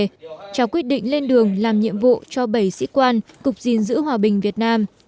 trong ngày nhiệm vụ trở về cháu quyết định lên đường làm nhiệm vụ cho bảy sĩ quan cục diên giữ hòa bình việt nam